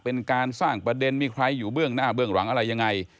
เป็นการสร้างประเด็นมีใครอยู่เบื้องหน้าเบื้องหลังอะไรยังไง